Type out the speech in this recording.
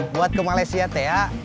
buat ke malaysia thea